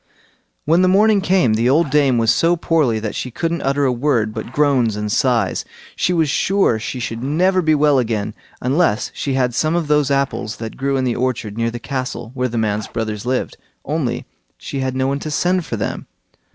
When the morning came the old dame was so poorly that she couldn't utter a word but groans and sighs. She was sure she should never be well again, unless she had some of those apples that grew in the orchard near the castle where the man's brothers lived; only she had no one to send for them.